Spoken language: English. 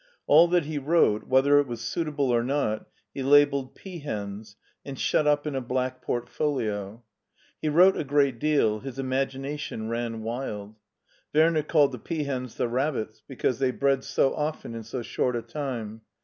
All that he wrote, whether it was suitable or not, he labelled " Peahens," and shut up in a black port folio. He wrote a great deal; his imagination ran wild. Werner called the peahens the rabbits, because they bred so often in so short a time.